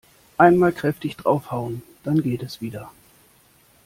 Einmal kräftig draufhauen, dann geht es wieder.